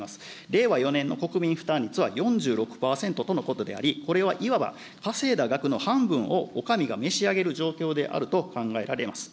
令和４年の国民負担率は４６％とのことであり、これはいわば、稼いだ額の半分をお上が召し上げる状況であると考えられます。